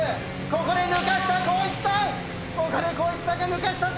ここで抜かした光一さん！